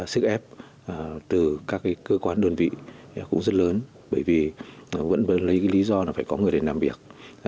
sức ép từ các cơ quan đơn vị cũng rất lớn bởi vì vẫn lấy lý do phải có người để làm việc